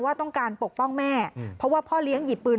มีคนร้องบอกให้ช่วยด้วยก็เห็นภาพเมื่อสักครู่นี้เราจะได้ยินเสียงเข้ามาเลย